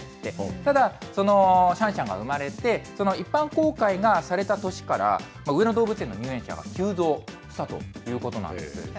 ただ、シャンシャンが産まれて、一般公開がされた年から、上野動物園の入園者が急増したということなんです。